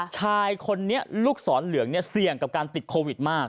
ชายคนนี้ลูกศรเหลืองเนี่ยเสี่ยงกับการติดโควิดมาก